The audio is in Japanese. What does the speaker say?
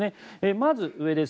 まずは上です。